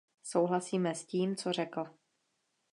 Souhlasíme s tím, co řekl.